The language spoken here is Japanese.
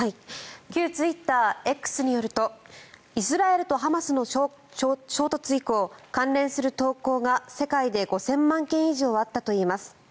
旧ツイッター、Ｘによるとイスラエルとハマスの衝突以降関連する投稿が世界で５０００万件以上あったといいます。